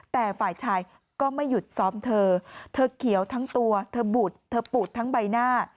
แต่ฝ่ายชายก็ไม่หยุดซ้อมเธอเธอเขียวทั้งตัวเธอบุดเธอปูดทั้งใบหน้า